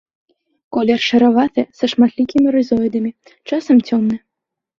Колер шараваты са шматлікімі рызоідамі, часам цёмны.